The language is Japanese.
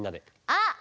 あっ！